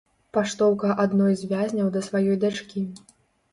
Паштоўка адной з вязняў да сваёй дачкі.